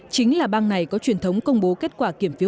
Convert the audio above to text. chính là bang này có truyền thống công bố kết quả kiểm phiếu